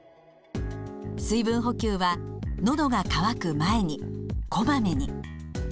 水分補給は「のどが渇く前に」「こまめに」。